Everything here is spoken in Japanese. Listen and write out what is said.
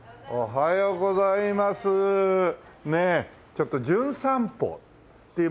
ちょっと『じゅん散歩』っていう番組で来た